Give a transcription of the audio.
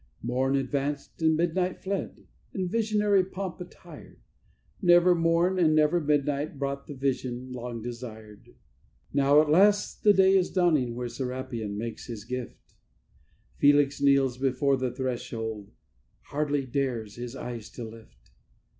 Morn advanced and midnight fled, in visionary pomp attired; Never morn and never midnight brought the vision long desired. Now at last the day is dawning when Serapion makes his gift; Felix kneels before the threshold, hardly dares his eyes to lift.